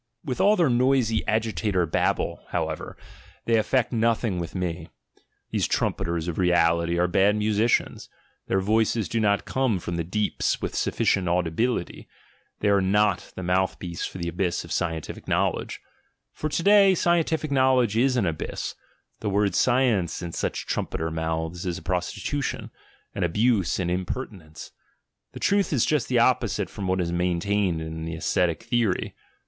With all their noisy agitator babble, however, they effect nothing with me; these trumpeters of reality are bad musicians, their voices do not come from the deeps with sufficient audibility, they are not the mouthpiece for the abyss of scientific knowledge — for to day scientific knowledge is an abyss — the word "science," in such trumpeter mouths, is a prostitution, an abuse, an imper tinence. The truth is just the opposite from what is main tained in the ascetic theory.